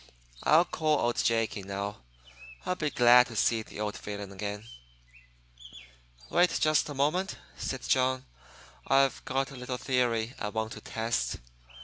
I'll call old Jake in, now. I'll be glad to see the old villain again." "Wait just a moment," said John. "I've got a little theory I want to test.